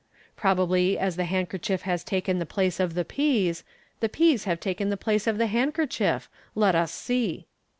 Probably, as the handkerchief has taken the place of the peas, the oeas have taken the place of the handkerchief. Let us see.''